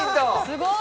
すごい！